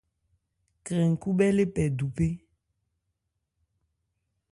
Krɛn khúbhɛ́ le pɛ duphé.